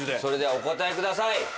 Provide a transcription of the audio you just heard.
それではお答えください。